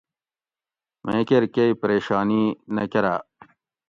میں کیر کئ پریشانیی نہ کراۤ